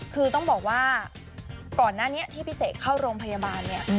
คือต้องบอกว่าก่อนหน้านี้ที่พี่เสกเข้าโรงพยาบาลเนี่ย